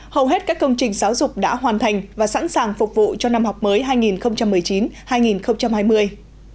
hầu hết các công trình giáo dục đã hoàn thành và sẵn sàng phục vụ cho năm học mới hai nghìn một mươi chín hai nghìn hai mươi